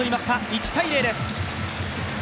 １−０です。